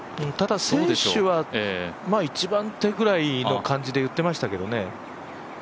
ただ選手は、一番手ぐらいの感じで言ってましたけどね。